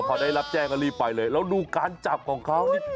พอได้รับแจ้งก็รีบไปเลยแล้วดูการจับของเขานี่